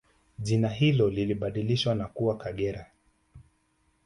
Jina hilo lilibadilishwa na kuwa Kagera